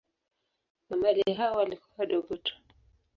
Mamalia hao walikuwa wadogo tu.